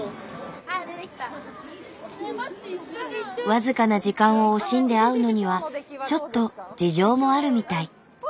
僅かな時間を惜しんで会うのにはちょっと事情もあるみたい。